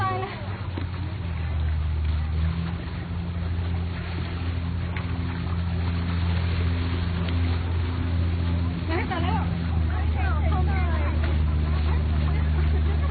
ขอบคุณครับ